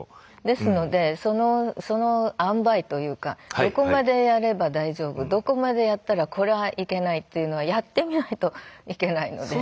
ですのでそのあんばいというかどこまでやれば大丈夫どこまでやったらこれはいけないっていうのはやってみないといけないので。